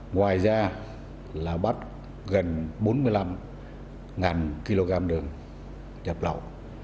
ngoài ra là bắt gần bốn mươi năm kg đường nhập lậu